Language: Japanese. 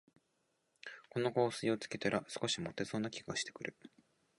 この香水をつけたら、少しもてそうな気がしてくる